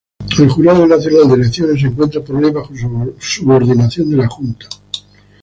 El Jurado Nacional de Elecciones se encuentra por ley bajo subordinación de la Junta.